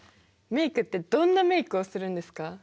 メイクってどんなメイクをするんですか？